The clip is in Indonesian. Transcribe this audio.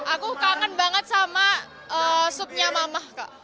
aku kangen banget sama supnya mama kak